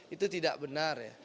itu tidak benar ya